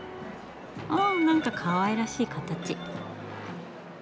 おなんかかわいらしい形。